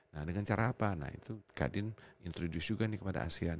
nah dengan cara apa nah itu kadin introduce juga nih kepada asean